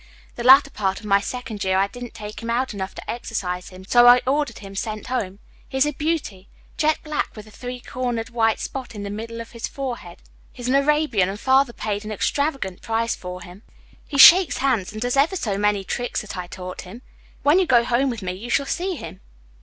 The latter part of my second year I didn't take him out enough to exercise him. So I ordered him sent home. He is a beauty. Jet black with a three cornered white spot in the middle of his forehead. He's an Arabian, and Father paid an extravagant price for him. He shakes hands and does ever so many tricks that I taught him. When you go home with me, you shall see him."